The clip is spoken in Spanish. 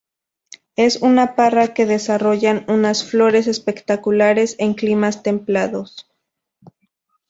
Es una parra que desarrolla unas flores espectaculares en climas templados.